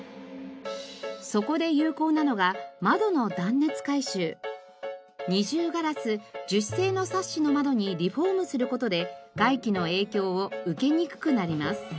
そこで有効なのが二重ガラス樹脂製のサッシの窓にリフォームする事で外気の影響を受けにくくなります。